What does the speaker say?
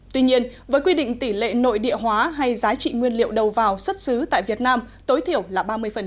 tuy nhiên với quy định tỷ lệ nội địa hóa hay giá trị nguyên liệu đầu vào xuất xứ tại việt nam tối thiểu là ba mươi